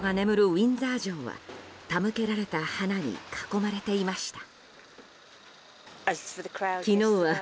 ウィンザー城は手向けられた花に囲まれていました。